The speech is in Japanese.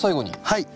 はい。